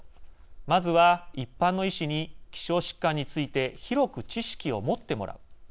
まずは、一般の医師に希少疾患について広く知識を持ってもらう。